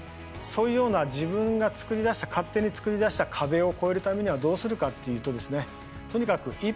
そういうような自分が作り出した勝手に作り出した壁を越えるためにはどうするかっていうとですねとにかく一歩踏み出すということです。